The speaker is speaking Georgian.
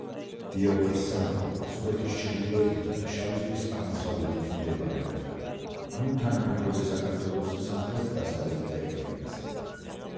დიაოხის სამეფო ასურეთის ჩრდილოეთითა და შავი ზღვის აღმოსავლეთით მდებარეობდა, ანუ თანამედროვე საქართველოს სამხრეთ-დასავლეთ ტერიტორიაზე.